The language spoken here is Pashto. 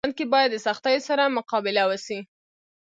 ژوند کي باید د سختيو سره مقابله وسي.